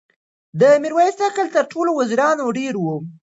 د میرویس عقل تر ټولو وزیرانو ډېر و.